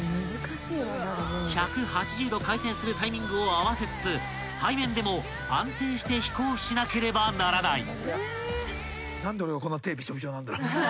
［１８０度回転するタイミングを合わせつつ背面でも安定して飛行しなければならない］